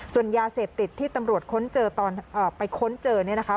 ส่วนยาเสพติดที่ตำรวจค้นเจอตอนไปค้นเจอเนี่ยนะคะ